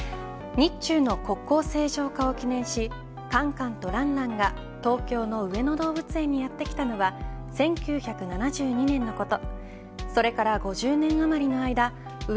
日中の国交正常化を記念しカンカンとランランが東京の上野動物園にやって来たのは１９７２年のこと。